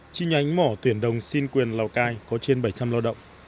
chi nhánh mỏ tuyển đồng xin quyền lào cai có trên bảy trăm linh lao động